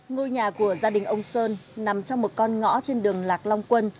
ngôi nhà của gia đình ông sơn nằm trong một con ngõ trên đường lạc long quân